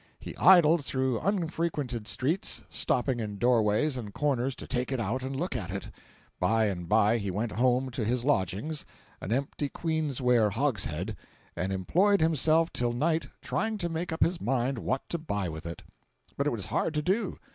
He idled through unfrequented streets, stopping in doorways and corners to take it out and look at it. By and by he went home to his lodgings—an empty queens ware hogshead,—and employed himself till night trying to make up his mind what to buy with it. But it was hard to do.